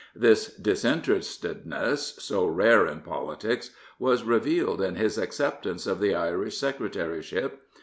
This disinterestedness, so rare in politics, was revealed in his acceptance of the Irish Secretary ship.